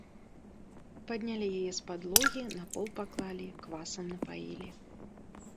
Паднялі яе з падлогі, на пол паклалі, квасам напаілі.